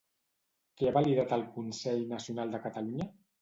Què ha validat el Consell Nacional de Catalunya?